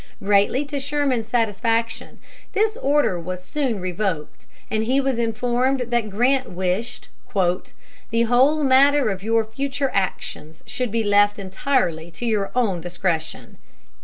Greatly to Sherman's satisfaction, this order was soon revoked, and he was informed that Grant wished "the whole matter of your future actions should be left entirely to your own discretion."